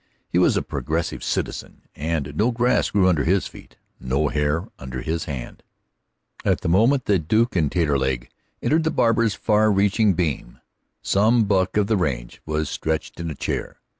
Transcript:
He was a progressive citizen, and no grass grew under his feet, no hair under his hand. At the moment that the Duke and Taterleg entered the barber's far reaching beam, some buck of the range was stretched in the chair.